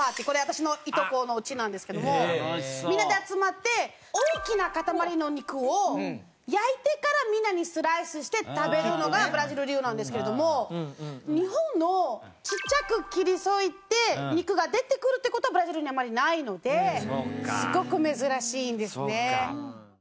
これ私のいとこの家なんですけどもみんなで集まって大きな塊の肉を焼いてからみんなにスライスして食べるのがブラジル流なんですけれども日本のちっちゃく切り裂いて肉が出てくるっていう事はブラジルにはあまりないのですごく珍しいんですね。